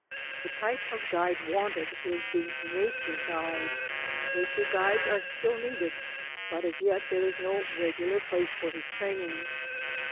The type of guide wanted is the nature guide. Nature guides are still needed but as yet there is no regular place for this training.